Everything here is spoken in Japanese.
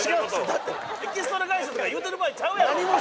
だってエキストラ会社とか言うてる場合ちゃうやろ！